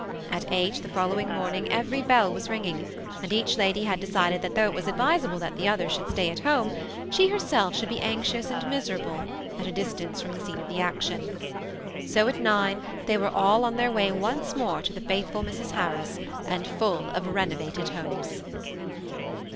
At eight the following morning every bell was ringing, and each lady had decided that, though it was advisable THE SEMI ATTACHED COUPLE. 277 that the others should stay at home, she herself should be anxious and miserable at a distance from the scene of action. So at nine they were all on their way once more to the faithful Mrs Harris, and full of renovated hopes.